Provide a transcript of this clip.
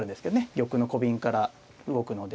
玉のコビンから動くので。